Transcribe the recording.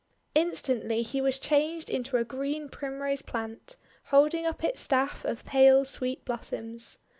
Instantly he was changed into a green Prim rose Plant, holding up its staff of pale sweet blossoms.